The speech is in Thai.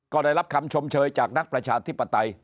ก็ได้รับคำชมเชยจากนักประชาธิปไตย